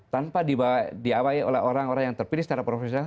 tanpa diawai oleh orang orang yang terpilih secara profesional